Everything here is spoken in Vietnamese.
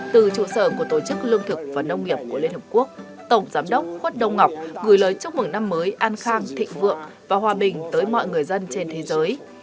từ trụ sở của tổ chức lương thực và nông nghiệp của liên hợp quốc tổng giám đốc khuất đông ngọc gửi lời chúc mừng năm mới an khang thịnh vượng và hòa bình tới mọi người dân trên thế giới